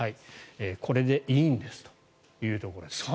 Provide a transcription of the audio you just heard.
これでいいんですというところです。